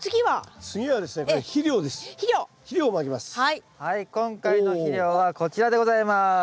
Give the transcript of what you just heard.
はい今回の肥料はこちらでございます。